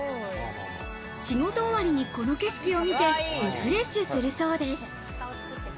仕事終わりにこの景色を見てリフレッシュするそうです。